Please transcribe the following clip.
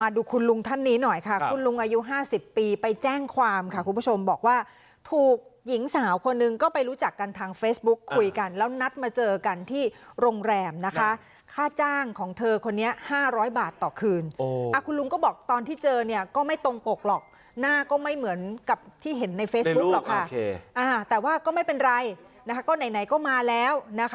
ดูคุณลุงท่านนี้หน่อยค่ะคุณลุงอายุ๕๐ปีไปแจ้งความค่ะคุณผู้ชมบอกว่าถูกหญิงสาวคนหนึ่งก็ไปรู้จักกันทางเฟซบุ๊กคุยกันแล้วนัดมาเจอกันที่โรงแรมนะคะค่าจ้างของเธอคนนี้๕๐๐บาทต่อคืนคุณลุงก็บอกตอนที่เจอเนี่ยก็ไม่ตรงปกหรอกหน้าก็ไม่เหมือนกับที่เห็นในเฟซบุ๊คหรอกค่ะแต่ว่าก็ไม่เป็นไรนะคะก็ไหนก็มาแล้วนะคะ